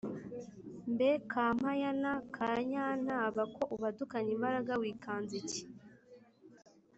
mbe kampayana ka nyantaba ko ubadukanye imbaraga, wikanze iki’